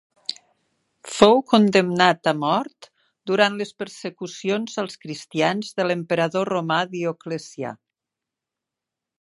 Fou condemnat a mort durant les persecucions als cristians de l'emperador romà Dioclecià.